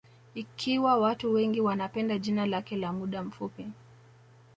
Ikiwa watu wengi wanapenda jina lake la muda mfupi